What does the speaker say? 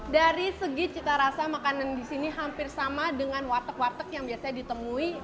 dari segi cita rasa makanan di sini hampir sama dengan warteg warteg yang biasanya ditemui